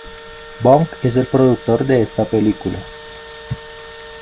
Bong es el productor de esta película.